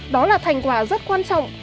đó là thành quả rất quan trọng